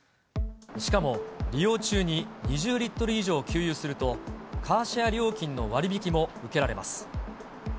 しかも、利用中に２０リットル以上給油すると、カーシェア料金の割引も受けられます。